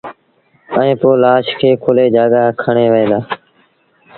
ائيٚݩ پو لآش کي کُليٚ جآڳآ کڻي وهيݩ دآ